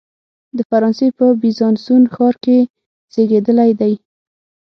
د فرانسې په بیزانسوون ښار کې زیږېدلی دی.